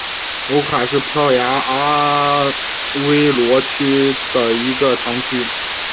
欧卡是葡萄牙阿威罗区的一个堂区。